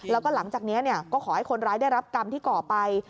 แล้วก็หลังจากนี้ก็ขอให้คนร้ายได้รับกรรมที่ก่อไป